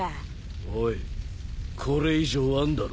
おいこれ以上あんだろ。